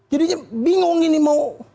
jadinya bingung ini mau